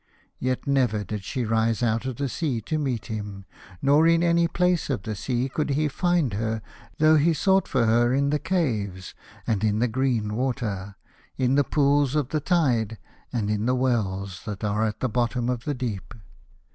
Yet never did she rise out of the sea to meet him, nor in any place of the sea could he find her, though he sought for her in the caves and in the green water, in the pools of the tide and in the wells that are at the bottom of the deep.